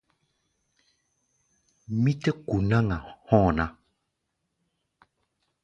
Mí tɛ́ ku̧ náŋ-a hɔ̧́ɔ̧ ná.